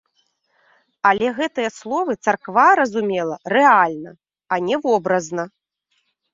Але гэтыя словы царква разумела рэальна, а не вобразна.